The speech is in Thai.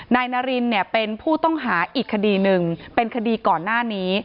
นายนารินเนี่ยเป็นผู้ต้องหาอีกคดีหนึ่งเป็นคดีก่อนหน้านี้